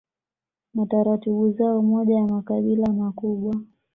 na taratibu zao Moja ya makabila makubwa